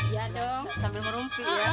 iya dong sambil merumpik ya